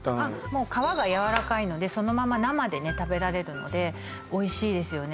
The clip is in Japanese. もう皮がやわらかいのでそのまま生でね食べられるのでおいしいですよね